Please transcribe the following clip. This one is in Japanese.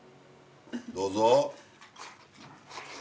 どうぞ。